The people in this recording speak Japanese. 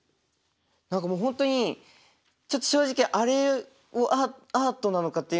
何かもう本当にちょっと正直あれもアートなのかっていうのがちょっと。